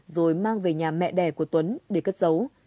rồi mang về nhà mẹ đẻ của tuấn để cất giấu